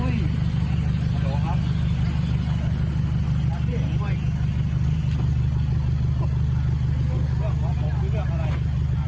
อย่านำตรงนี้ไม่ได้นะ